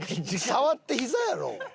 触ってひざやろ！